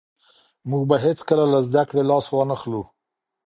موږ به هېڅکله له زده کړې لاس ونه اخلو.